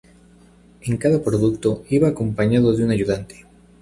En cada producto, iba acompañado de un ayudante.